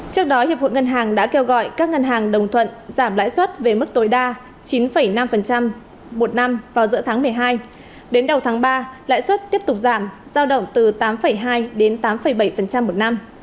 trước đó hiệp hội ngân hàng đã kêu gọi các ngân hàng đồng thuận giảm lãi suất về mức tối đa chín năm một năm vào giữa tháng một mươi hai đến đầu tháng ba lãi suất tiếp tục giảm giao động từ tám hai đến tám bảy một năm